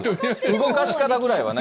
動かし方ぐらいはね。